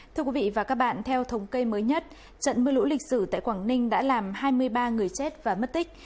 thưa quý vị và các bạn theo thống kê mới nhất trận mưa lũ lịch sử tại quảng ninh đã làm hai mươi ba người chết và mất tích